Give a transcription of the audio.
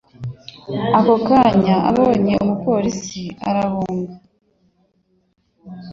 Ako kanya abonye umupolisi, arahunga.